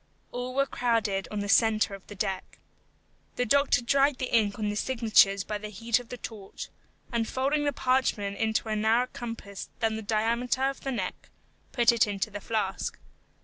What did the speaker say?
All were crowded on the centre of the deck. The doctor dried the ink on the signatures by the heat of the torch, and folding the parchment into a narrower compass than the diameter of the neck, put it into the flask.